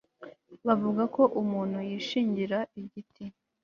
bavuga ko umuntu yishingira igiti